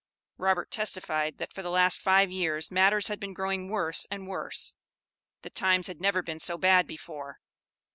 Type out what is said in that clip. Robert testified, that for the last five years, matters had been growing worse and worse; that times had never been so bad before.